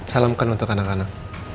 salamkan untuk anak anak